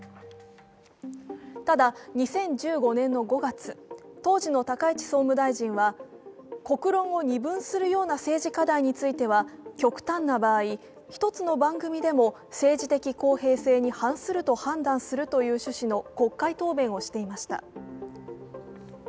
ただ、２０１５年の５月、当時の高市総務大臣は、国論を二分するような政治課題については極端な場合、１つの番組でも政治的公平性に反すると判断するという趣旨の国会答弁をしていました。